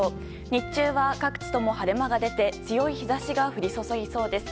日中は各地とも晴れ間が出て強い日差しが降り注ぎそうです。